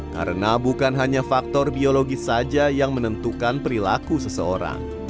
karena bukan hanya faktor biologis saja yang menentukan perilaku seseorang